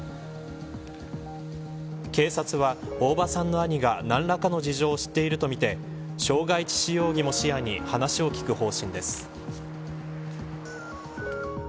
警察は大場さんの兄が何らかの事情を知っているとみて傷害致死容疑も視野に話を聞く方針です。